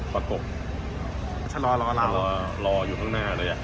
ประกบเขาจะรอรอเราเขาว่ารออยู่ข้างหน้าเลยอ่ะ